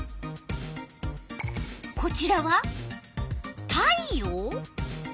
こちらは「太陽」？